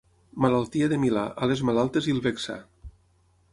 Malaltia de milà, ales malaltes i el bec sa.